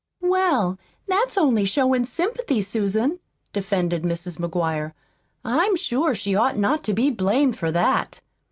'" "Well, that's only showin' sympathy, Susan," defended Mrs. McGuire. "I'm sure she ought not to be blamed for that."